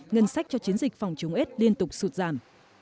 ngân sách cho chiến dịch phòng chống s liên tục sụt giảm